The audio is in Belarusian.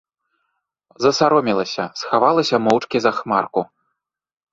Засаромелася, схавалася моўчкі за хмарку.